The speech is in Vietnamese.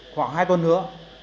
khoảng hai tuần nữa